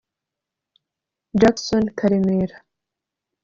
Jackson Karemera